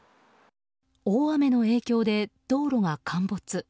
大雨の影響で道路が陥没。